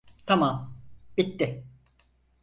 Tamam, bitti.